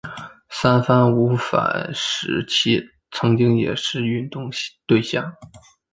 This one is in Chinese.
三反五反时期曾经也是运动对象。